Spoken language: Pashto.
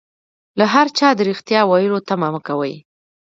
له هر چا د ريښتيا ويلو تمه مکوئ